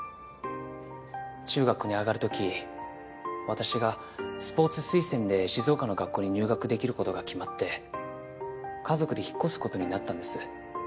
中学に上がる時私がスポーツ推薦で静岡の学校に入学できる事が決まって家族で引っ越す事になったんです。